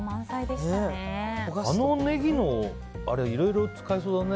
あのネギのあれはいろいろ使えそうだね。